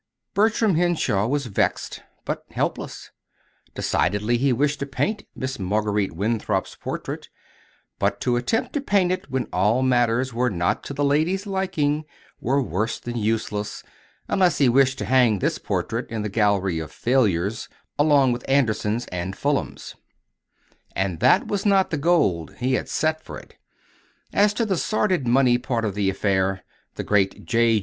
Bertram Henshaw was vexed, but helpless. Decidedly he wished to paint Miss Marguerite Winthrop's portrait; but to attempt to paint it when all matters were not to the lady's liking were worse than useless, unless he wished to hang this portrait in the gallery of failures along with Anderson's and Fullam's and that was not the goal he had set for it. As to the sordid money part of the affair the great J.